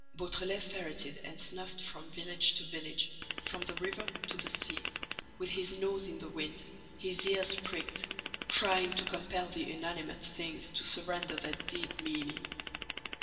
Beautrelet ferreted and snuffed from village to village, from the river to the sea, with his nose in the wind, his ears pricked, trying to compel the inanimate things to surrender their deep meaning.